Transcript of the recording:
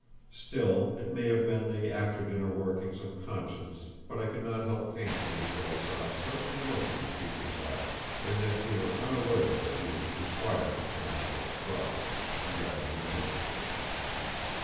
Still, it may have been the after dinner workings of conscience, but I could not help fancying that I saw a certain look in the creature's eyes, as if he were aware that he was required to connive at a fraud, and rather resented it.